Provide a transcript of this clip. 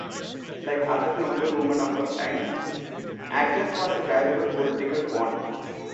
Like other noble women of her time, Agnes was a valuable political pawn.